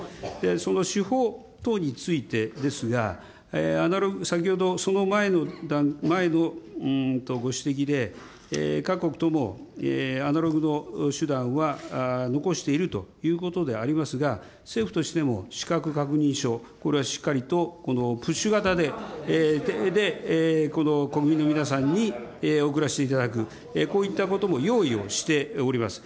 その手法等についてですが、アナログ、先ほどその前のご指摘で、各国ともアナログの手段は残しているということでありますが、政府としても資格確認書、これはしっかりとプッシュ型で、国民の皆さんに送らせていただく、こういったことも用意をしております。